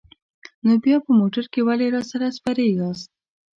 نو بیا په موټر کې ولې راسره سپرې یاست؟